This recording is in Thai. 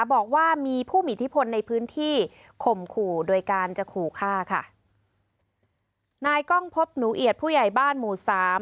บอกว่ามีผู้มีอิทธิพลในพื้นที่ข่มขู่โดยการจะขู่ฆ่าค่ะนายกล้องพบหนูเอียดผู้ใหญ่บ้านหมู่สาม